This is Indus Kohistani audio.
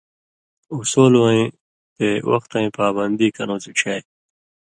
اُصولہ وَیں تے وختَیں پاپندی کرؤں سِڇھیائ۔